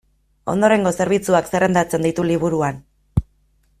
Ondorengo zerbitzuak zerrendatzen ditu liburuan.